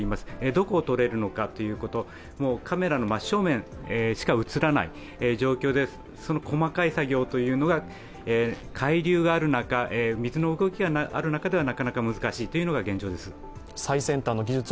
どこを撮れるのかということカメラの真正面しか映らない状況で、細かい作業というのが海流がある中、水の中では、難しいです。